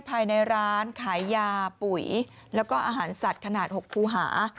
ภายในร้านขายยาปุ๋ยแล้วก็อาหารสัตว์ขนาด๖คูหา